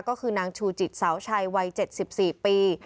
ก็คือนางชูจิตเสาชัยวัย๗๔ปี